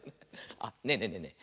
あっねえねえねえねえ